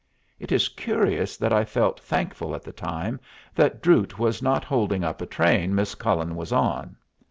It is curious that I felt thankful at the time that Drute was not holding up a train Miss Cullen was on.